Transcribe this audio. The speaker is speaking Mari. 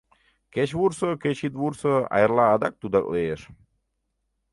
— Кеч вурсо, кеч ит вурсо, а эрла адак тудак лиеш!